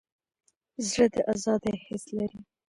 زړه د ازادۍ حس لري.